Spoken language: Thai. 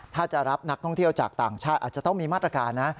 ถ้าจะรับนักท่องเที่ยวจากต่างชาติอาจจะต้องมีมาตรการนะ